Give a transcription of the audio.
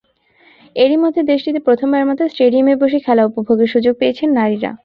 এরই মধ্যে দেশটিতে প্রথমবারের মতো স্টেডিয়ামে বসে খেলা উপভোগের সুযোগ পেয়েছেন নারীরা।